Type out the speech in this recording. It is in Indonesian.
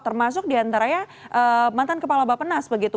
termasuk di antaranya mantan kepala bapak nas begitu